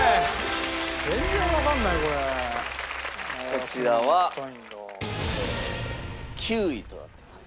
こちらは９位となってます。